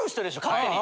勝手に。